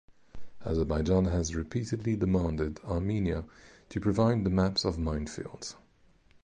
Azerbaijan has repeatedly demanded Armenia to provide the maps of minefields.